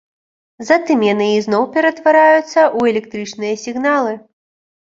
Затым яны ізноў ператвараюцца ў электрычныя сігналы.